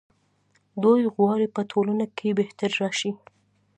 دوی غواړي په ټولنه کې بهتري راشي.